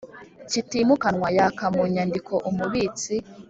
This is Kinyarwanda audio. kitimukanwa yaka mu nyandiko Umubitsi